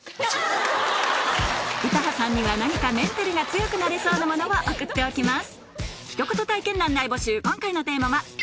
詩羽さんには何かメンタルが強くなれそうなものを送っておきます